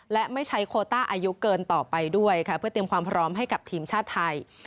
และไม่ใช้โคต้าอายุเกินต่อไปด้วยค่ะเพื่อเตรียมความพร้อมให้กับทีมชาติไทย